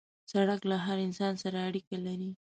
سړک له هر انسان سره اړیکه لري.